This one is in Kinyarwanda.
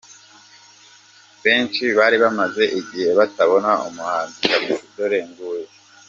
benshi bari bamaze ighe batabona umuhanzi Kamichi dore nguyu.